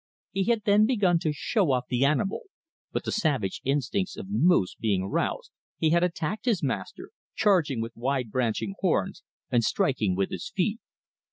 He had then begun to "show off" the animal, but the savage instincts of the moose being roused, he had attacked his master, charging with wide branching horns, and striking with his feet.